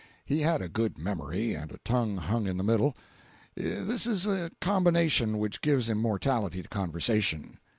He had a good memory, and a tongue hung in the middle. This is a combination which gives immortality to conversation.